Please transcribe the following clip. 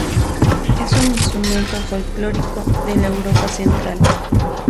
Es un instrumento folclórico de la Europa Central.